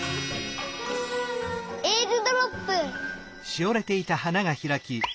えーるドロップ！